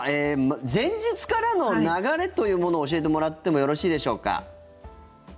前日からの流れというものを教えてもらってもよろしいでしょうか？